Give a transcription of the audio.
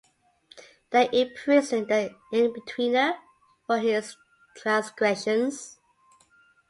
They imprisoned the In-Betweener for his transgressions.